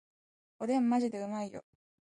おでんマジでうまいよ